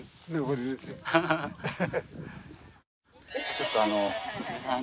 ちょっとあの娘さん